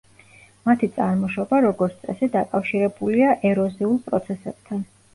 მათი წარმოშობა როგორც წესი დაკავშირებულია ეროზიულ პროცესებთან.